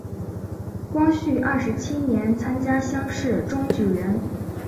光绪二十七年参加乡试中举人。